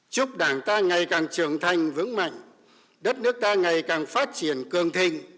chúc đảng ta ngày càng trưởng thành vững mạnh đất nước ta ngày càng phát triển cường thịnh